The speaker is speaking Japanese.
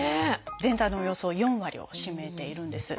全体のおよそ４割を占めているんです。